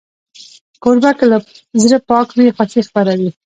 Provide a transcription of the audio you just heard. کوربه که له زړه پاک وي، خوښي خپروي.